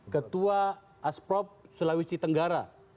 ketua asprov sulawesi tenggara